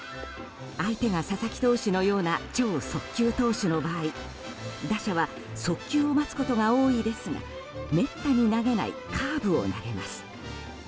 相手が佐々木投手のような超速球投手の場合打者は速球を待つことが多いですがめったに投げないカーブを投げます。